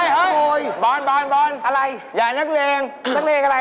เฮ่ยบอนอะไรอย่านักเลงอะไร